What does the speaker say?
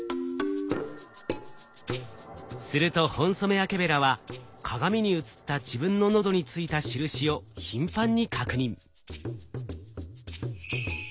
するとホンソメワケベラは鏡に映った自分の喉についた印を頻繁に確認。